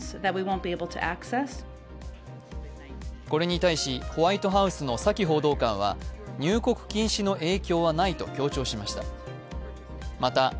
これに対しホワイトハウスのサキ報道官は入国禁止の影響はないと強調しました。